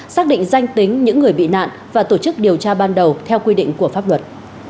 xác định danh tính những người bị nạn và tổ chức điều tra ban đầu theo quy định của pháp luật